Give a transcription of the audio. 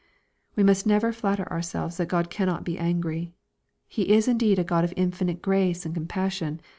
We must never flatter ourselves that God cannot be angry. He is indeed a God of infinite grace and com passion.